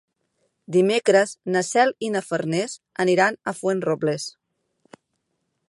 Dimecres na Cel i na Farners aniran a Fuenterrobles.